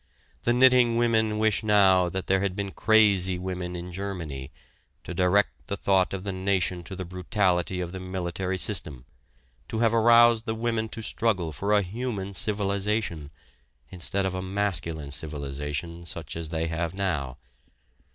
The knitting women wish now that there had been "crazy" women in Germany to direct the thought of the nation to the brutality of the military system, to have aroused the women to struggle for a human civilization, instead of a masculine civilization such as they have now.